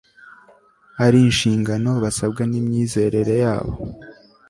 ari inshingano basabwa nimyizerere yabo